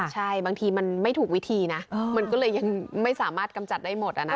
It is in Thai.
ใช่บางทีมันไม่ถูกวิธีนะมันก็เลยยังไม่สามารถกำจัดได้หมด